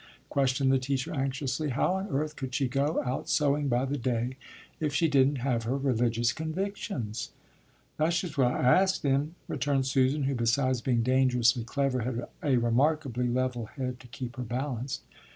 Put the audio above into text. questioned the teacher anxiously. "How on earth could she go out sewing by the day if she didn't have her religious convictions?" "That's just what I asked him," returned Susan, who, besides being dangerously clever, had a remarkably level head to keep her balanced.